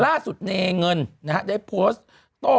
ล่าสุดในเงินนะฮะได้โพสต์โต่